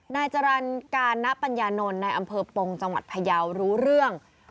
นายจรรย์กาณปัญญานนท์ในอำเภอปงจังหวัดพยาวรู้เรื่อง